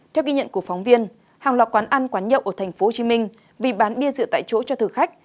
theo ghi nhận của phóng viên hàng loạt quán ăn quán nhậu ở tp hcm vì bán bia rượu tại chỗ cho thử khách